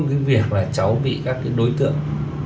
cái việc là cháu bị các cái đối tượng